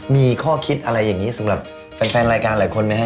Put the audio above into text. มีข้อคิดอะไรอย่างนี้สำหรับแฟนรายการหลายคนไหมครับ